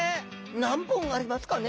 何本ありますかね？